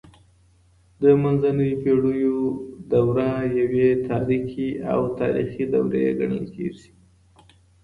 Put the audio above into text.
د منځنۍ پیړیو دوره یوې تاريکي او تاریخي دورې ګڼل کیږي.